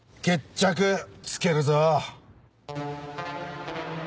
決着着けるぞ。